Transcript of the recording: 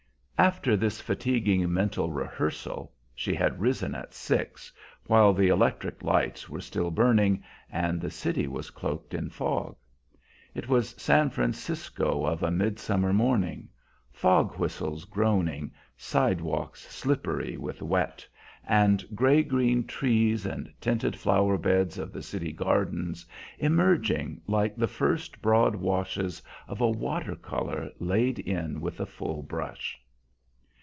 After this fatiguing mental rehearsal she had risen at six, while the electric lights were still burning and the city was cloaked in fog. It was San Francisco of a midsummer morning; fog whistles groaning, sidewalks slippery with wet, and the gray green trees and tinted flower beds of the city gardens emerging like the first broad washes of a water color laid in with a full brush.